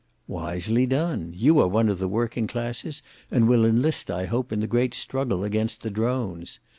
"Wisely done! you are one of the working classes, and will enlist I hope in the great struggle against the drones.